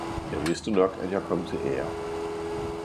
jeg vidste nok, at jeg kom til ære.